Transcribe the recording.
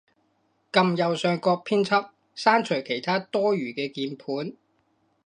撳右上角編輯，刪除其它多餘嘅鍵盤